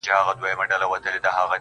o يا الله تې راته ژوندۍ ولره.